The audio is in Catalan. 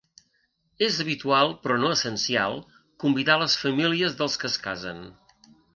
És habitual, però no essencial, convidar les famílies dels que es casen.